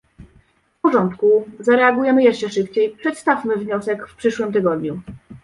"W porządku, zareagujemy jeszcze szybciej, przedstawmy wniosek w przyszłym tygodniu"